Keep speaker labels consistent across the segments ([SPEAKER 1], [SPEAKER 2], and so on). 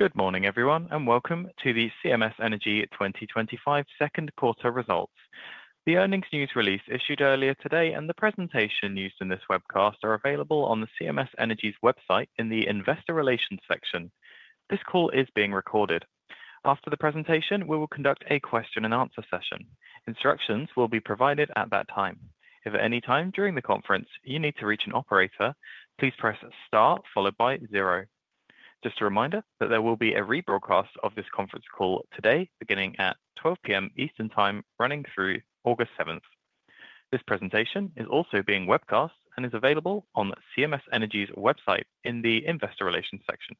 [SPEAKER 1] Good morning, everyone, and welcome to the CMS Energy 2025 second quarter results. The earnings news release issued earlier today and the presentation used in this webcast are available on CMS Energy's website in the Investor Relations section. This call is being recorded. After the presentation, we will conduct a question-and-answer session. Instructions will be provided at that time. If at any time during the conference you need to reach an operator, please press star followed by zero. Just a reminder that there will be a rebroadcast of this conference call today, beginning at 12:00 P.M. Eastern Time, running through August 7. This presentation is also being webcast and is available on CMS Energy's website in the Investor Relations section.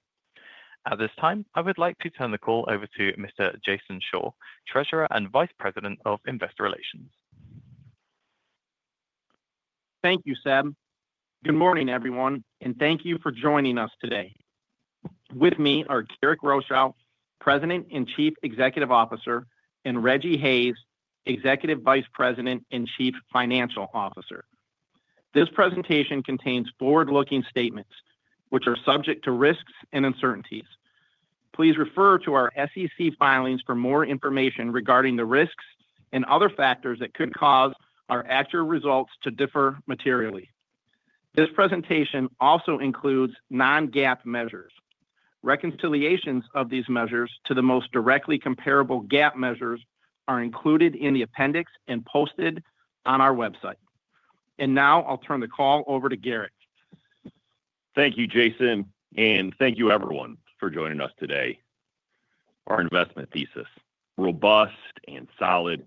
[SPEAKER 1] At this time, I would like to turn the call over to Mr. Jason Shore, Treasurer and Vice President of Investor Relations.
[SPEAKER 2] Thank you, Seb. Good morning, everyone, and thank you for joining us today. With me are Garrick Rochow, President and Chief Executive Officer, and Rejji Hayes, Executive Vice President and Chief Financial Officer. This presentation contains forward-looking statements, which are subject to risks and uncertainties. Please refer to our SEC filings for more information regarding the risks and other factors that could cause our actual results to differ materially. This presentation also includes non-GAAP measures. Reconciliations of these measures to the most directly comparable GAAP measures are included in the appendix and posted on our website. I'll turn the call over to Garrick.
[SPEAKER 3] Thank you, Jason, and thank you, everyone, for joining us today. Our investment thesis: robust and solid,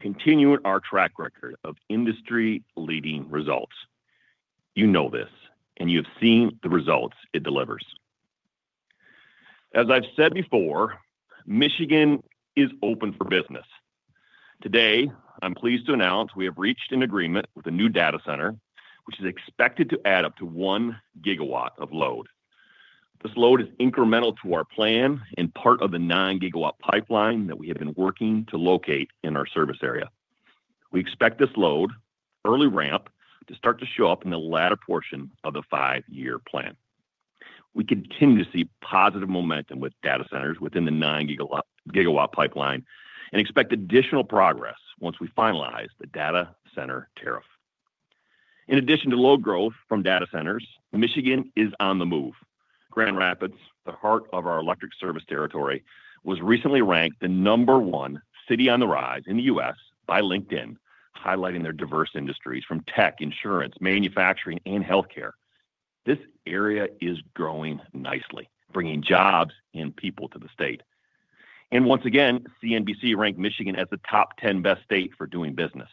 [SPEAKER 3] continuing our track record of industry-leading results. You know this, and you have seen the results it delivers. As I've said before, Michigan is open for business. Today, I'm pleased to announce we have reached an agreement with a new data center, which is expected to add up to 1 GW of load. This load is incremental to our plan and part of the 9 GW pipeline that we have been working to locate in our service area. We expect this load, early ramp, to start to show up in the latter portion of the five-year plan. We continue to see positive momentum with data centers within the 9 GW pipeline and expect additional progress once we finalize the data center tariff. In addition to load growth from data centers, Michigan is on the move. Grand Rapids, the heart of our electric service territory, was recently ranked the number one city on the rise in the U.S. by LinkedIn, highlighting their diverse industries from tech, insurance, manufacturing, and healthcare. This area is growing nicely, bringing jobs and people to the state. CNBC ranked Michigan as the top 10 best state for doing business.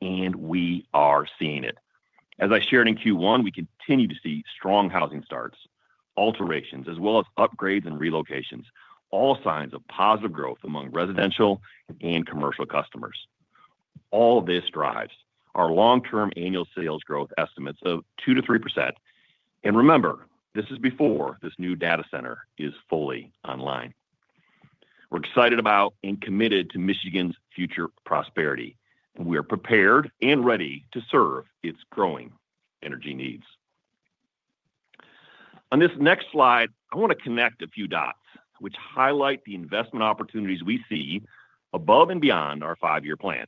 [SPEAKER 3] We are seeing it. As I shared in Q1, we continue to see strong housing starts, alterations, as well as upgrades and relocations, all signs of positive growth among residential and commercial customers. All this drives our long-term annual sales growth estimates of 2%-3%. Remember, this is before this new data center is fully online. We're excited about and committed to Michigan's future prosperity, and we are prepared and ready to serve its growing energy needs. On this next slide, I want to connect a few dots, which highlight the investment opportunities we see above and beyond our five-year plan.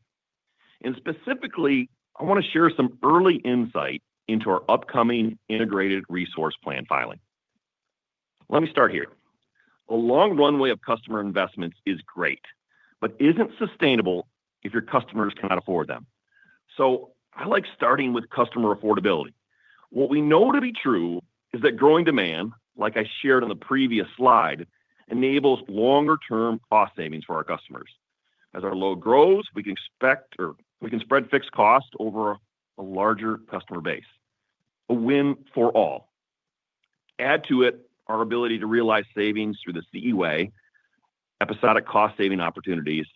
[SPEAKER 3] Specifically, I want to share some early insight into our upcoming Integrated Resource Plan filing. Let me start here. A long runway of customer investments is great, but isn't sustainable if your customers cannot afford them. I like starting with customer affordability. What we know to be true is that growing demand, like I shared on the previous slide, enables longer-term cost savings for our customers. As our load grows, we can expect or we can spread fixed costs over a larger customer base. A win for all. Add to it our ability to realize savings through the CE Way, episodic cost-saving opportunities,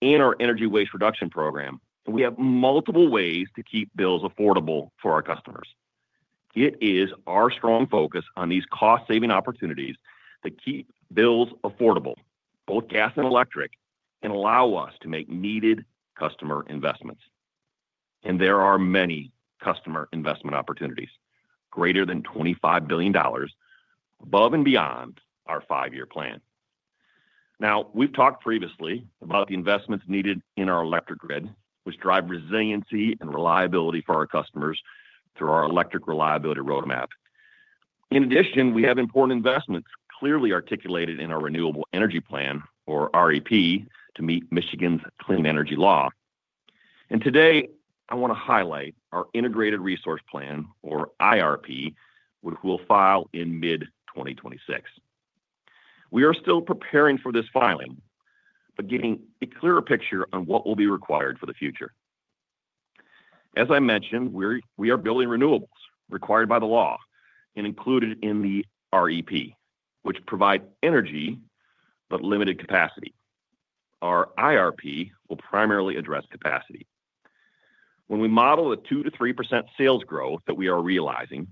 [SPEAKER 3] and our energy waste reduction program, we have multiple ways to keep bills affordable for our customers. It is our strong focus on these cost-saving opportunities that keep bills affordable, both gas and electric, and allow us to make needed customer investments. There are many customer investment opportunities, greater than $25 billion, above and beyond our five-year plan. Previously, we've talked about the investments needed in our electric grid, which drive resiliency and reliability for our customers through our electric reliability roadmap. In addition, we have important investments clearly articulated in our Renewable Energy Plan, or REP, to meet Michigan's clean energy law. Today, I want to highlight our Integrated Resource Plan, or IRP, which we'll file in mid-2026. We are still preparing for this filing, but getting a clearer picture on what will be required for the future. As I mentioned, we are building renewables required by the law and included in the REP, which provides energy but limited capacity. Our IRP will primarily address capacity. When we model the 2%-3% sales growth that we are realizing,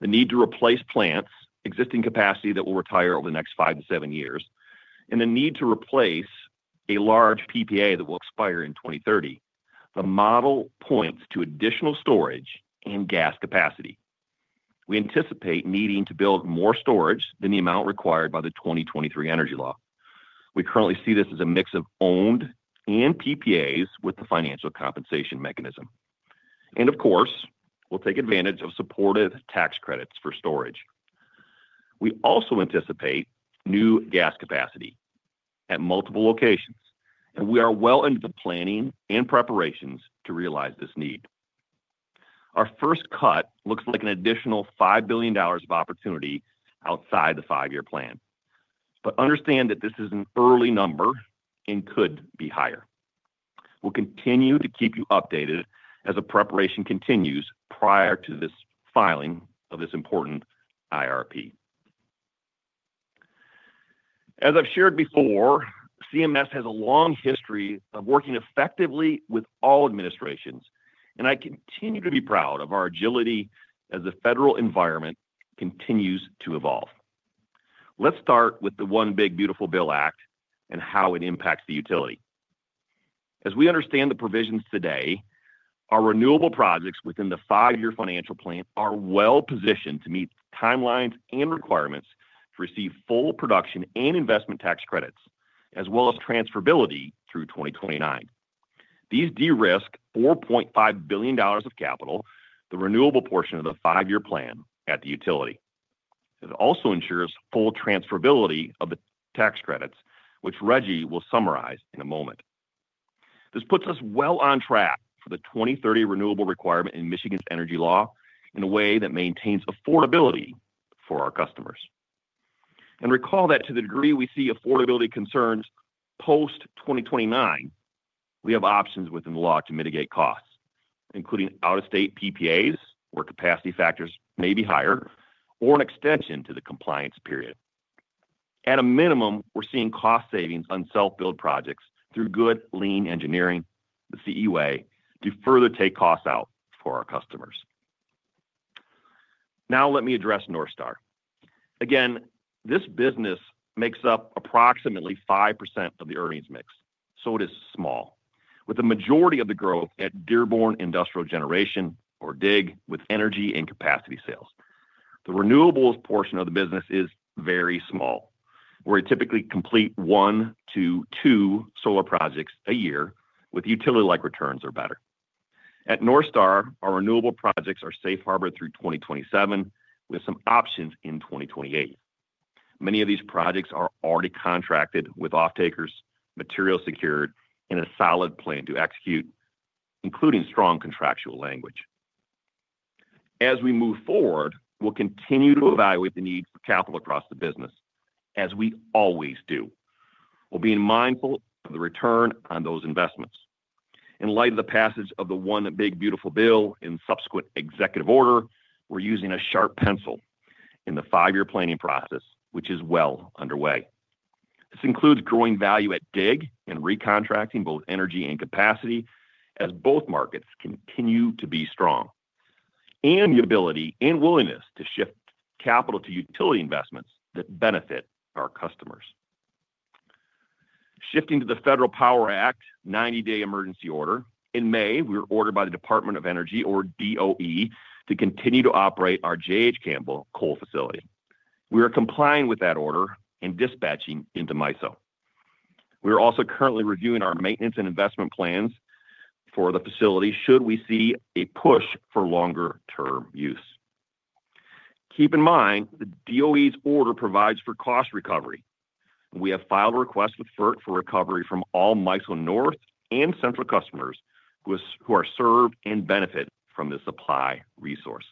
[SPEAKER 3] the need to replace plants, existing capacity that will retire over the next five to seven years, and the need to replace a large PPA that will expire in 2030, the model points to additional storage and gas capacity. We anticipate needing to build more storage than the amount required by the 2023 energy law. We currently see this as a mix of owned and PPAs with the financial compensation mechanism. Of course, we'll take advantage of supportive tax credits for storage. We also anticipate new gas capacity at multiple locations, and we are well into the planning and preparations to realize this need. Our first cut looks like an additional $5 billion of opportunity outside the five-year plan. Understand that this is an early number and could be higher. We'll continue to keep you updated as the preparation continues prior to the filing of this important IRP. As I've shared before, CMS Energy has a long history of working effectively with all administrations, and I continue to be proud of our agility as the federal environment continues to evolve. Let's start with the One Big Beautiful Bill Act and how it impacts the utility. As we understand the provisions today, our renewable projects within the five-year financial plan are well positioned to meet timelines and requirements to receive full production and investment tax credits, as well as transferability through 2029. These de-risk $4.5 billion of capital, the renewable portion of the five-year plan at the utility. It also ensures full transferability of the tax credits, which Rejji will summarize in a moment. This puts us well on track for the 2030 renewable requirement in Michigan's energy law in a way that maintains affordability for our customers. Recall that to the degree we see affordability concerns post-2029, we have options within the law to mitigate costs, including out-of-state PPAs where capacity factors may be higher or an extension to the compliance period. At a minimum, we're seeing cost savings on self-build projects through good, lean engineering, the CE Way, to further take costs out for our customers. Now, let me address NorthStar. Again, this business makes up approximately 5% of the earnings mix, so it is small, with the majority of the growth at Dearborn Industrial Generation, or DIG, with energy and capacity sales. The renewables portion of the business is very small, where we typically complete one to two solar projects a year with utility-like returns or better. At NorthStar, our renewable projects are safe harbor through 2027, with some options in 2028. Many of these projects are already contracted with off-takers, materials secured, and a solid plan to execute, including strong contractual language. As we move forward, we'll continue to evaluate the need for capital across the business, as we always do. We'll be mindful of the return on those investments. In light of the passage of the One Big Beautiful Bill and subsequent executive order, we're using a sharp pencil in the five-year planning process, which is well underway. This includes growing value at DIG and recontracting both energy and capacity as both markets continue to be strong. The ability and willingness to shift capital to utility investments that benefit our customers. Shifting to the Federal Power Act 90-day emergency order, in May, we were ordered by the Department of Energy, or DOE, to continue to operate our J.H. Campbell coal facility. We are complying with that order and dispatching into MISO. We are also currently reviewing our maintenance and investment plans for the facility should we see a push for longer-term use. Keep in mind the DOE's order provides for cost recovery. We have filed a request with FERC for recovery from all MISO North and Central customers who are served and benefit from this supply resource.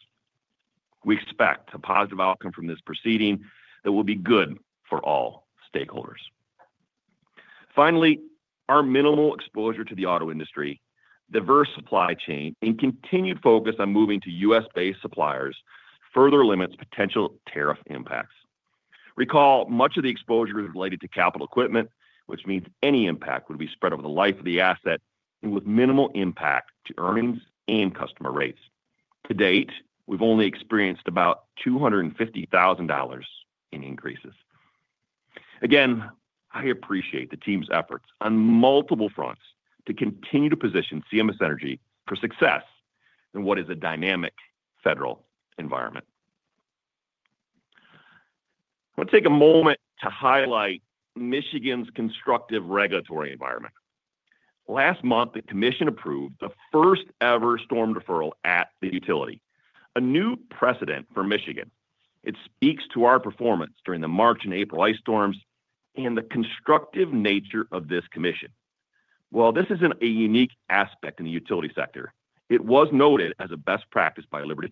[SPEAKER 3] We expect a positive outcome from this proceeding that will be good for all stakeholders. Finally, our minimal exposure to the auto industry, diverse supply chain, and continued focus on moving to U.S.-based suppliers further limits potential tariff impacts. Recall, much of the exposure is related to capital equipment, which means any impact would be spread over the life of the asset and with minimal impact to earnings and customer rates. To date, we've only experienced about $250,000 in increases. Again, I appreciate the team's efforts on multiple fronts to continue to position CMS Energy for success in what is a dynamic federal environment. I want to take a moment to highlight Michigan's constructive regulatory environment. Last month, the commission approved the first-ever storm deferral at the utility, a new precedent for Michigan. It speaks to our performance during the March and April ice storms and the constructive nature of this commission. While this isn't a unique aspect in the utility sector, it was noted as a best practice by Liberty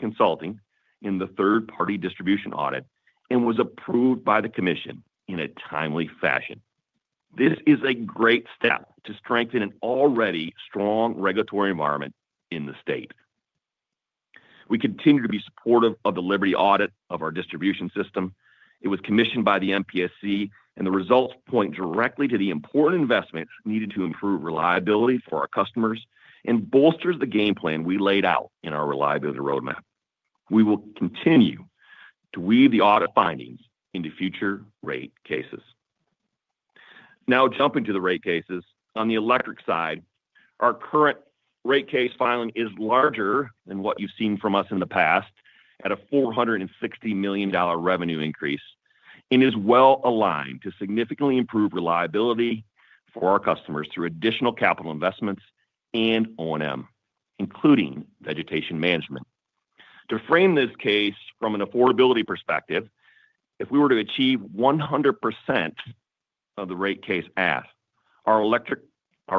[SPEAKER 3] Consulting in the third-party distribution audit and was approved by the commission in a timely fashion. This is a great step to strengthen an already strong regulatory environment in the state. We continue to be supportive of the Liberty audit of our distribution system. It was commissioned by the MPSC, and the results point directly to the important investments needed to improve reliability for our customers and bolsters the game plan we laid out in our reliability roadmap. We will continue to weave the audit findings into future rate cases. Now, jumping to the rate cases, on the electric side, our current rate case filing is larger than what you've seen from us in the past at a $460 million revenue increase and is well aligned to significantly improve reliability for our customers through additional capital investments and O&M, including vegetation management. To frame this case from an affordability perspective, if we were to achieve 100% of the rate case asked, our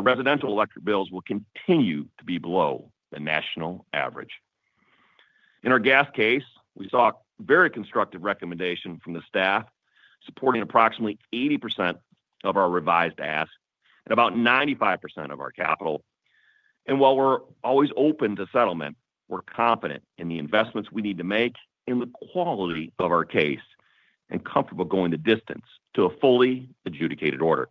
[SPEAKER 3] residential electric bills will continue to be below the national average. In our gas case, we saw a very constructive recommendation from the staff supporting approximately 80% of our revised ask and about 95% of our capital. While we're always open to settlement, we're confident in the investments we need to make and the quality of our case and comfortable going the distance to a fully adjudicated order.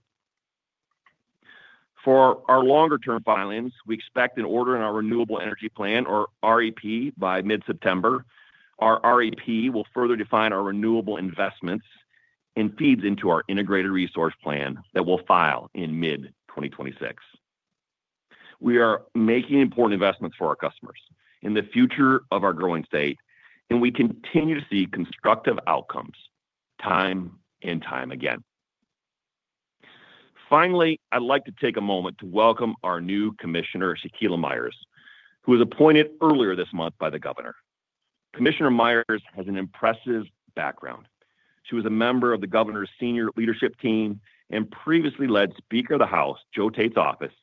[SPEAKER 3] For our longer-term filings, we expect an order in our Renewable Energy Plan, or REP, by mid-September. Our REP will further define our renewable investments and feeds into our Integrated Resource Plan that we'll file in mid-2026. We are making important investments for our customers in the future of our growing state, and we continue to see constructive outcomes time and time again. Finally, I'd like to take a moment to welcome our new Commissioner, Shaquila Myers, who was appointed earlier this month by the Governor. Commissioner Myers has an impressive background. She was a member of the Governor's senior leadership team and previously led Speaker of the House, Joe Tate's office,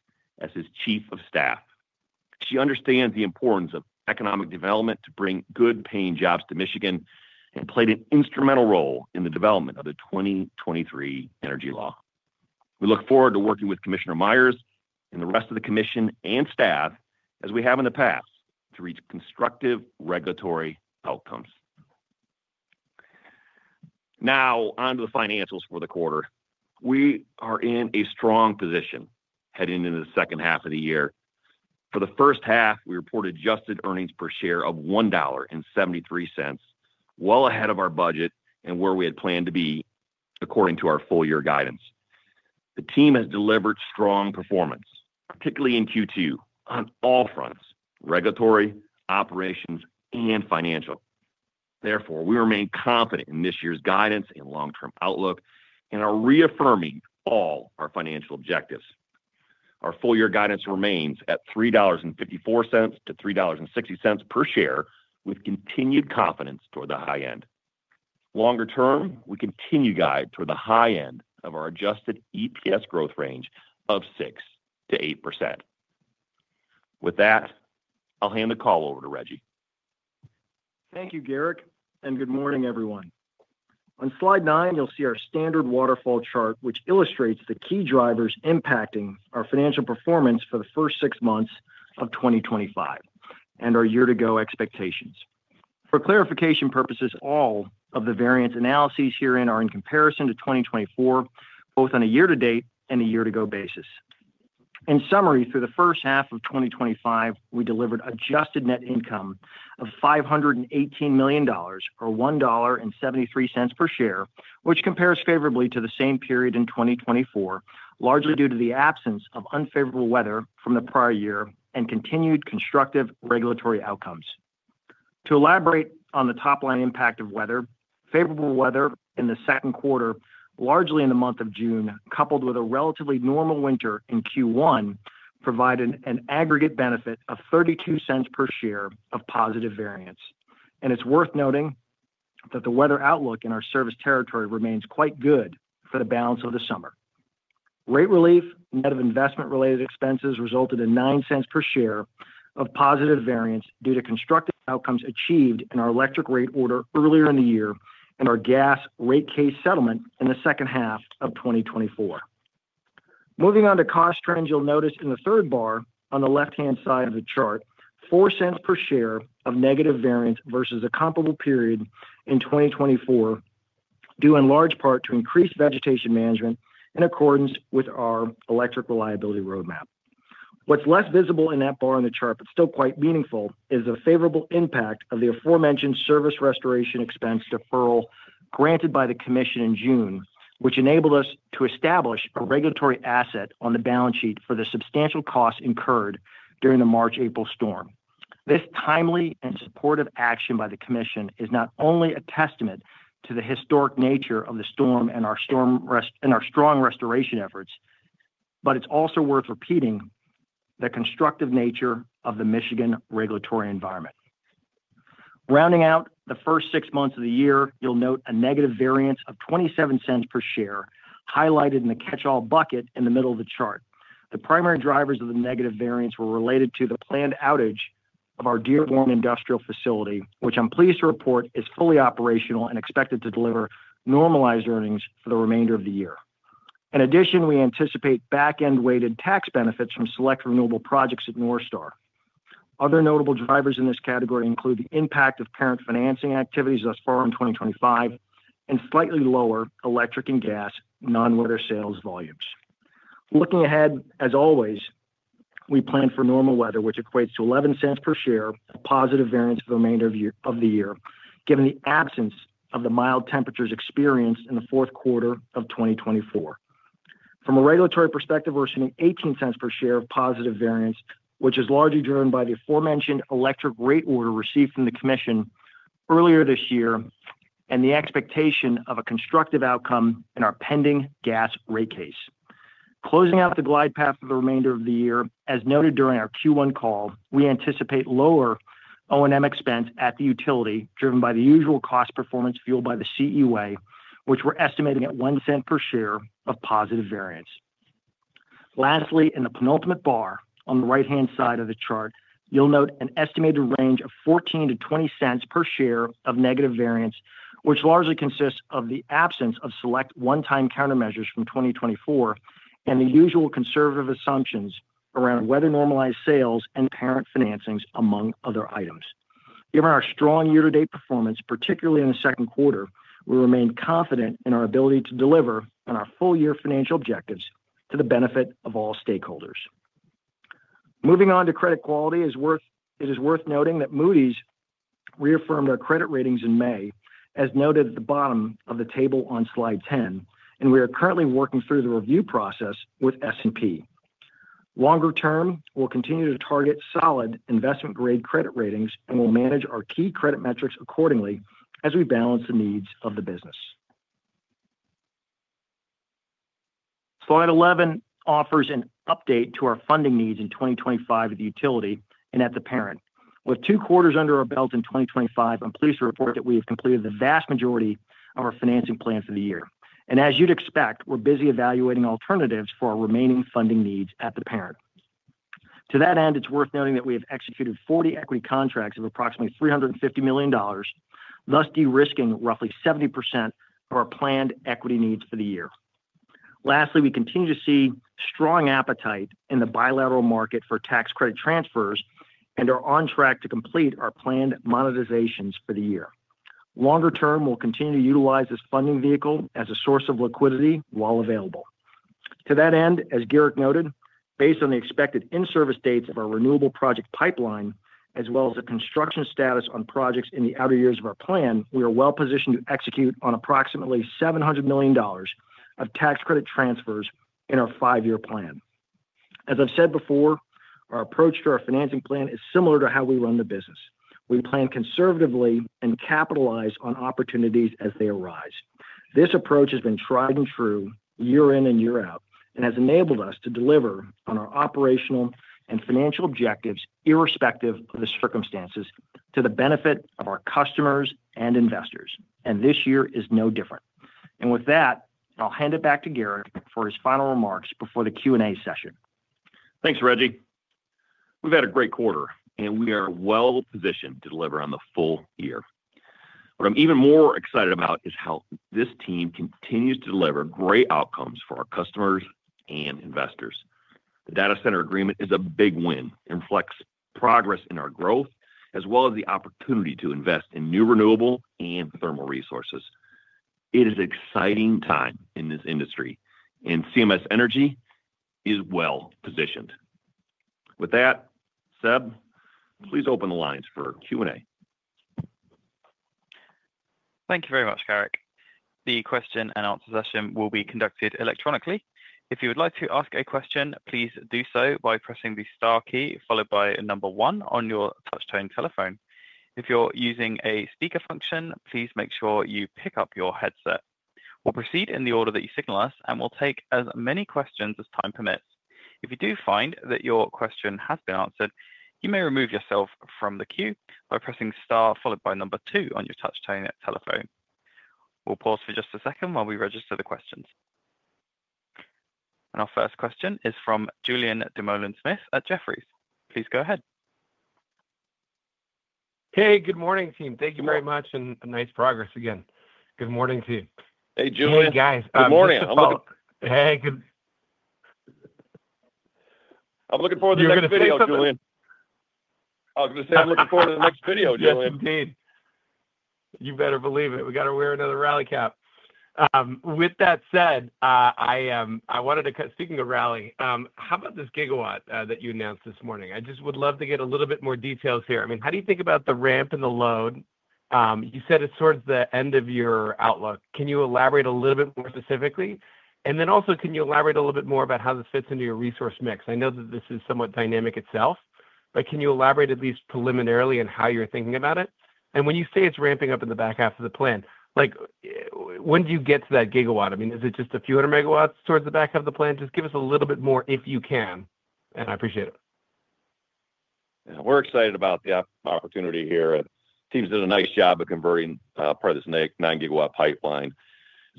[SPEAKER 3] as his Chief of Staff. She understands the importance of economic development to bring good-paying jobs to Michigan and played an instrumental role in the development of the 2023 energy law. We look forward to working with Commissioner Myers and the rest of the commission and staff, as we have in the past, to reach constructive regulatory outcomes. Now, onto the financials for the quarter. We are in a strong position heading into the second half of the year. For the first half, we reported adjusted earnings per share of $1.73, well ahead of our budget and where we had planned to be according to our full-year guidance. The team has delivered strong performance, particularly in Q2, on all fronts: regulatory, operations, and financial. Therefore, we remain confident in this year's guidance and long-term outlook and are reaffirming all our financial objectives. Our full-year guidance remains at $3.54-$3.60 per share with continued confidence toward the high end. Longer term, we continue to guide toward the high end of our adjusted EPS growth range of 6%-8%. With that, I'll hand the call over to Rejji.
[SPEAKER 4] Thank you, Garrick, and good morning, everyone. On slide nine, you'll see our standard waterfall chart, which illustrates the key drivers impacting our financial performance for the first six months of 2025 and our year-to-go expectations. For clarification purposes, all of the variance analyses herein are in comparison to 2024, both on a year-to-date and a year-to-go basis. In summary, through the first half of 2025, we delivered adjusted net income of $518 million, or $1.73 per share, which compares favorably to the same period in 2024, largely due to the absence of unfavorable weather from the prior year and continued constructive regulatory outcomes. To elaborate on the top-line impact of weather, favorable weather in the second quarter, largely in the month of June, coupled with a relatively normal winter in Q1, provided an aggregate benefit of $0.32 per share of positive variance. It is worth noting that the weather outlook in our service territory remains quite good for the balance of the summer. Rate relief and other investment-related expenses resulted in $0.09 per share of positive variance due to constructive outcomes achieved in our electric rate order earlier in the year and our gas rate case settlement in the second half of 2024. Moving on to cost trends, you'll notice in the third bar on the left-hand side of the chart, $0.04 per share of negative variance versus a comparable period in 2024, due in large part to increased vegetation management in accordance with our electric reliability roadmap. What is less visible in that bar on the chart, but still quite meaningful, is the favorable impact of the aforementioned service restoration expense deferral granted by the commission in June, which enabled us to establish a regulatory asset on the balance sheet for the substantial costs incurred during the March-April storm. This timely and supportive action by the commission is not only a testament to the historic nature of the storm and our strong restoration efforts, but it is also worth repeating the constructive nature of the Michigan regulatory environment. Rounding out the first six months of the year, you'll note a negative variance of $0.27 per share highlighted in the catch-all bucket in the middle of the chart. The primary drivers of the negative variance were related to the planned outage of our Dearborn industrial facility, which I'm pleased to report is fully operational and expected to deliver normalized earnings for the remainder of the year. In addition, we anticipate back-end-weighted tax benefits from select renewable projects at NorthStar. Other notable drivers in this category include the impact of current financing activities thus far in 2025 and slightly lower electric and gas non-weather sales volumes. Looking ahead, as always, we plan for normal weather, which equates to $0.11 per share of positive variance for the remainder of the year, given the absence of the mild temperatures experienced in the fourth quarter of 2024. From a regulatory perspective, we're seeing $0.18 per share of positive variance, which is largely driven by the aforementioned electric rate order received from the Commission earlier this year and the expectation of a constructive outcome in our pending gas rate case. Closing out the glide path for the remainder of the year, as noted during our Q1 call, we anticipate lower O&M expense at the utility driven by the usual cost performance fueled by the CE Way, which we're estimating at $0.01 per share of positive variance. Lastly, in the penultimate bar on the right-hand side of the chart, you'll note an estimated range of $0.14-$0.20 per share of negative variance, which largely consists of the absence of select one-time countermeasures from 2024 and the usual conservative assumptions around weather normalized sales and parent financings among other items. Given our strong year-to-date performance, particularly in the second quarter, we remain confident in our ability to deliver on our full-year financial objectives to the benefit of all stakeholders. Moving on to credit quality, it is worth noting that Moody’s reaffirmed our credit ratings in May, as noted at the bottom of the table on slide 10, and we are currently working through the review process with S&P. Longer term, we'll continue to target solid investment-grade credit ratings and will manage our key credit metrics accordingly as we balance the needs of the business. Slide 11 offers an update to our funding needs in 2025 at the utility and at the parent. With two quarters under our belt in 2025, I'm pleased to report that we have completed the vast majority of our financing plan for the year. As you'd expect, we're busy evaluating alternatives for our remaining funding needs at the parent. To that end, it's worth noting that we have executed 40 equity contracts of approximately $350 million, thus de-risking roughly 70% of our planned equity needs for the year. Lastly, we continue to see strong appetite in the bilateral market for tax credit transfers and are on track to complete our planned monetizations for the year. Longer term, we'll continue to utilize this funding vehicle as a source of liquidity while available. To that end, as Garrick noted, based on the expected in-service dates of our renewable project pipeline, as well as the construction status on projects in the outer years of our plan, we are well positioned to execute on approximately $700 million of tax credit transfers in our five-year plan. As I've said before, our approach to our financing plan is similar to how we run the business. We plan conservatively and capitalize on opportunities as they arise. This approach has been tried and true year in and year out and has enabled us to deliver on our operational and financial objectives irrespective of the circumstances to the benefit of our customers and investors. This year is no different. With that, I'll hand it back to Garrick for his final remarks before the Q&A session.
[SPEAKER 3] Thanks, Rejji. We've had a great quarter, and we are well positioned to deliver on the full year. What I'm even more excited about is how this team continues to deliver great outcomes for our customers and investors. The data center agreement is a big win and reflects progress in our growth as well as the opportunity to invest in new renewable and thermal resources. It is an exciting time in this industry, and CMS Energy is well positioned. With that, Seb, please open the lines for Q&A.
[SPEAKER 1] Thank you very much, Garrick. The question and answer session will be conducted electronically. If you would like to ask a question, please do so by pressing the star key followed by a number one on your touch-tone telephone. If you're using a speaker function, please make sure you pick up your headset. We'll proceed in the order that you signal us, and we'll take as many questions as time permits. If you do find that your question has been answered, you may remove yourself from the queue by pressing star followed by number two on your touch-tone telephone. We'll pause for just a second while we register the questions. Our first question is from Julien Dumoulin-Smith at Jefferies. Please go ahead. Hey, good morning, team.
[SPEAKER 5] Thank you very much and nice progress again. Good morning to you.
[SPEAKER 3] Hey, Julien.
[SPEAKER 5] Hey, guys.
[SPEAKER 3] Good morning. Hey, good. I'm looking forward to the next video, Julien. I was going to say I'm looking forward to the next video, Julien. Yes, indeed.
[SPEAKER 5] You better believe it. We got to wear another rally cap. With that said, I wanted to cut speaking of rally, how about this gigawatt that you announced this morning? I just would love to get a little bit more details here. I mean, how do you think about the ramp and the load? You said it's towards the end of your outlook. Can you elaborate a little bit more specifically? Also, can you elaborate a little bit more about how this fits into your resource mix? I know that this is somewhat dynamic itself, but can you elaborate at least preliminarily on how you're thinking about it? When you say it's ramping up in the back half of the plan, when do you get to that gigawatt? I mean, is it just a few hundred megawatts towards the back half of the plan? Just give us a little bit more if you can, and I appreciate it.
[SPEAKER 3] Yeah, we're excited about the opportunity here. The team's done a nice job of converting part of this 9 GW pipeline.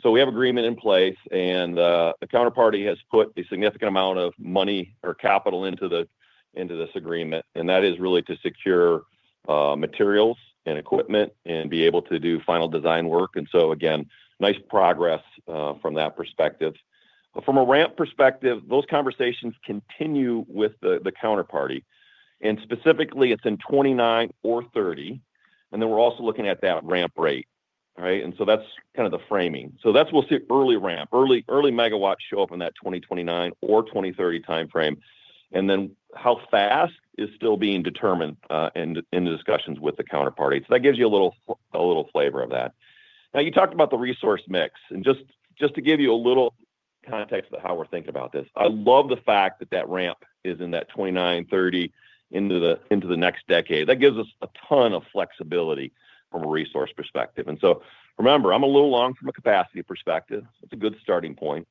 [SPEAKER 3] We have agreement in place, and the counterparty has put a significant amount of money or capital into this agreement. That is really to secure materials and equipment and be able to do final design work. Again, nice progress from that perspective. From a ramp perspective, those conversations continue with the counterparty. Specifically, it's in 2029 or 2030, and we're also looking at that ramp rate, right? That's kind of the framing. We'll see early ramp, early megawatts show up in that 2029 or 2030 timeframe. How fast is still being determined in the discussions with the counterparty. That gives you a little flavor of that. Now, you talked about the resource mix. Just to give you a little context of how we're thinking about this, I love the fact that that ramp is in that 2029, 2030 into the next decade. That gives us a ton of flexibility from a resource perspective. Remember, I'm a little long from a capacity perspective. It's a good starting point.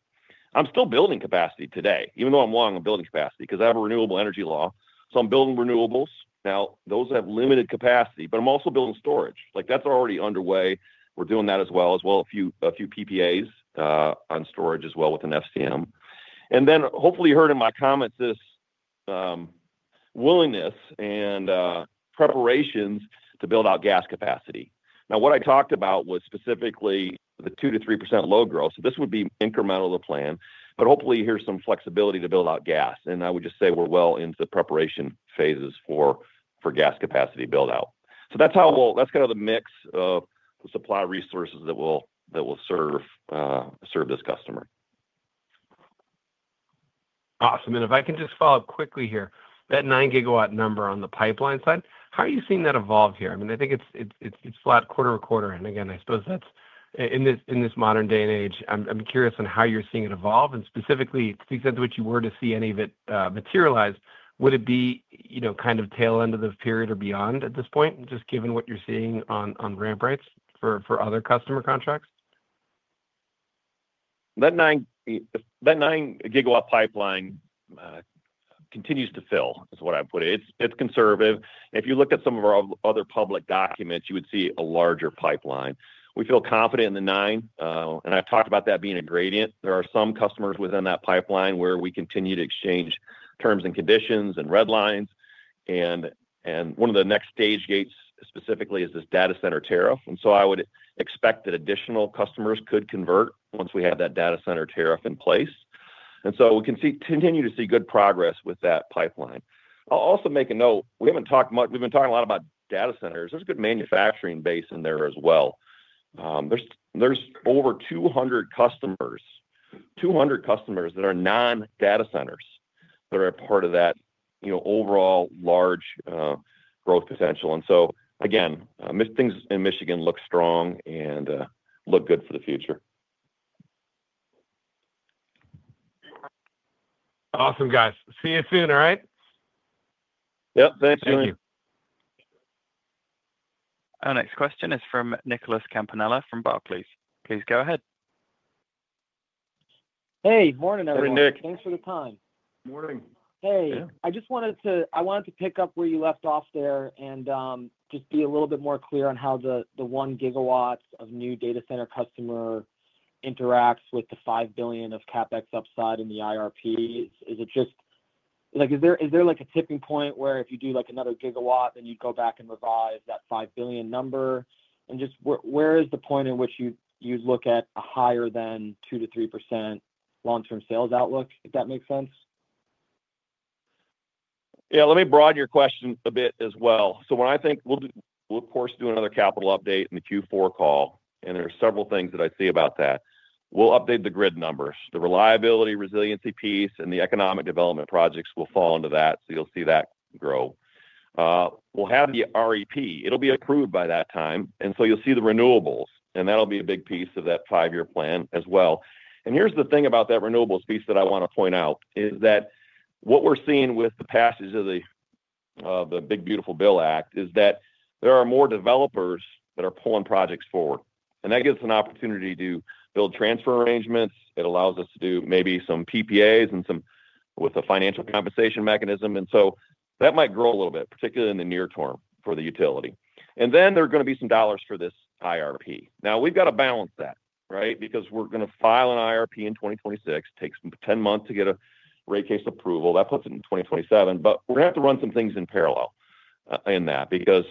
[SPEAKER 3] I'm still building capacity today, even though I'm long on building capacity, because I have a renewable energy law. I'm building renewables. Now, those have limited capacity, but I'm also building storage. That's already underway. We're doing that as well, as well as a few PPAs on storage as well with an FCM. Hopefully you heard in my comments this willingness and preparations to build out gas capacity. Now, what I talked about was specifically the 2%-3% load growth. This would be incremental to the plan, but hopefully there's some flexibility to build out gas. I would just say we're well into preparation phases for gas capacity buildout. That's kind of the mix of the supply resources that will serve this customer.
[SPEAKER 5] Awesome. If I can just follow up quickly here, that 9 GW number on the pipeline side, how are you seeing that evolve here? I think it's flat quarter to quarter. I suppose that's, in this modern day and age, I'm curious on how you're seeing it evolve. Specifically, to the extent that you were to see any of it materialize, would it be kind of tail end of the period or beyond at this point, just given what you're seeing on ramp rates for other customer contracts?
[SPEAKER 3] That 9 GW pipeline continues to fill, is what I put it. It's conservative. If you look at some of our other public documents, you would see a larger pipeline. We feel confident in the nine. I've talked about that being a gradient. There are some customers within that pipeline where we continue to exchange terms and conditions and red lines. One of the next stage gates specifically is this data center tariff. I would expect that additional customers could convert once we have that data center tariff in place. We continue to see good progress with that pipeline. I'll also make a note. We haven't talked much. We've been talking a lot about data centers. There's a good manufacturing base in there as well. There's over 200 customers, 200 customers that are non-data centers that are a part of that overall large growth potential. Things in Michigan look strong and look good for the future.
[SPEAKER 5] Awesome, guys. See you soon, all right?
[SPEAKER 3] Yep, thanks, Julien.
[SPEAKER 1] Our next question is from Nicholas Campanella from Barclays. Please go ahead.
[SPEAKER 6] Hey, morning, everyone.
[SPEAKER 3] Hey, Nick.
[SPEAKER 6] Thanks for the time. Hey. I just wanted to pick up where you left off there and just be a little bit more clear on how the 1 GW of new data center customer interacts with the $5 billion of CapEx upside in the IRPs. Is it just, is there a tipping point where if you do another gigawatt, then you go back and revise that $5 billion number? Where is the point in which you look at a higher than 2%-3% long-term sales outlook, if that makes sense?
[SPEAKER 3] Yeah, let me broaden your question a bit as well. I think we'll, of course, do another capital update in the Q4 call, and there are several things that I see about that. We'll update the grid numbers. The reliability, resiliency piece, and the economic development projects will fall into that, so you'll see that grow. We'll have the REP. It'll be approved by that time, so you'll see the renewables, and that'll be a big piece of that five-year plan as well. Here's the thing about that renewables piece that I want to point out: what we're seeing with the passage of the Big Beautiful Bill Act is that there are more developers that are pulling projects forward. That gives us an opportunity to build transfer arrangements. It allows us to do maybe some PPAs with a financial compensation mechanism, so that might grow a little bit, particularly in the near term for the utility. There are going to be some dollars for this IRP. We've got to balance that, right? We're going to file an IRP in 2026. It takes 10 months to get a rate case approval. That puts it in 2027. We're going to have to run some things in parallel in that because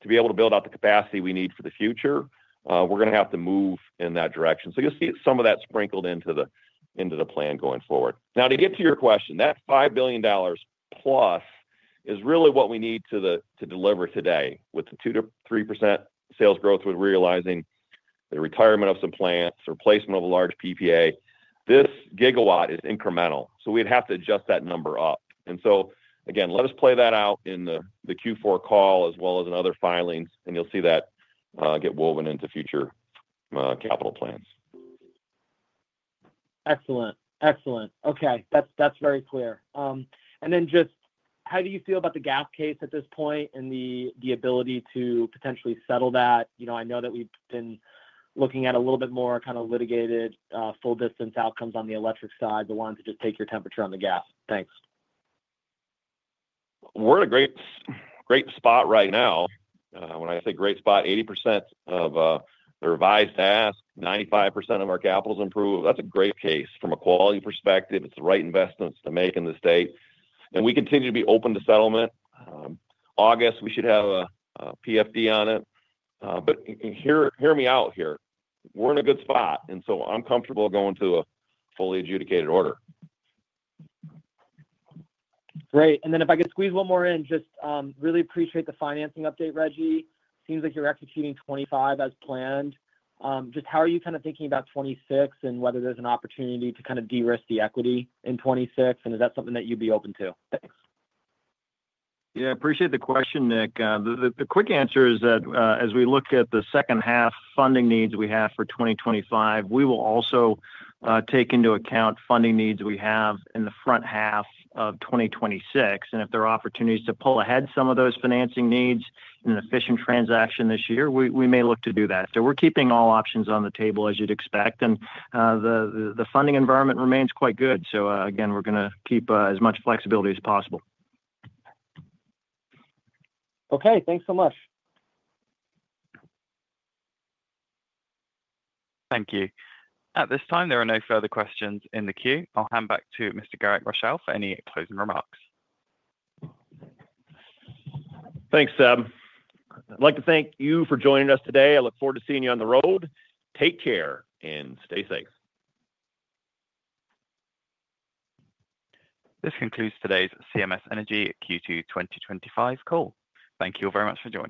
[SPEAKER 3] to be able to build out the capacity we need for the future, we're going to have to move in that direction. You'll see some of that sprinkled into the plan going forward. To get to your question, that $5 billion plus is really what we need to deliver today with the 2%-3% sales growth with realizing the retirement of some plants, replacement of a large PPA. This gigawatt is incremental, so we'd have to adjust that number up. Let us play that out in the Q4 call as well as in other filings, and you'll see that get woven into future capital plans.
[SPEAKER 6] Excellent. Excellent. Okay. That's very clear. Just how do you feel about the gas case at this point and the ability to potentially settle that? I know that we've been looking at a little bit more kind of litigated full-distance outcomes on the electric side, but wanted to just take your temperature on the gas. Thanks.
[SPEAKER 3] We're in a great spot right now. When I say great spot, 80% of the revised task, 95% of our capital is improved. That's a great case from a quality perspective. It's the right investments to make in the state. We continue to be open to settlement. August, we should have a PFD on it. Hear me out here. We're in a good spot, so I'm comfortable going to a fully adjudicated order.
[SPEAKER 6] Great. If I could squeeze one more in, just really appreciate the financing update, Rejji. Seems like you're executing 2025 as planned. Just how are you kind of thinking about 2026 and whether there's an opportunity to kind of de-risk the equity in 2026? Is that something that you'd be open to? Thanks.
[SPEAKER 4] I appreciate the question, Nick. The quick answer is that as we look at the second half funding needs we have for 2025, we will also take into account funding needs we have in the front half of 2026. If there are opportunities to pull ahead some of those financing needs in an efficient transaction this year, we may look to do that. We're keeping all options on the table, as you'd expect. The funding environment remains quite good. We're going to keep as much flexibility as possible.
[SPEAKER 6] Okay. Thanks so much.
[SPEAKER 1] Thank you. At this time, there are no further questions in the queue. I'll hand back to Mr. Garrick Rochow for any closing remarks.
[SPEAKER 3] Thanks, Seb. I'd like to thank you for joining us today. I look forward to seeing you on the road. Take care and stay safe.
[SPEAKER 1] This concludes today's CMS Energy Q2 2025 call. Thank you very much for joining.